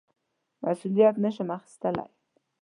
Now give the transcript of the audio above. مسوولیت نه شم اخیستلای.